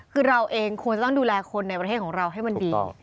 คือเราเองควรจะต้องดูแลคนในประเทศของเราให้มันดี